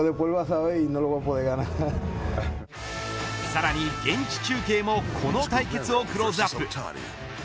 さらに現地中継もこの対決をクローズアップ。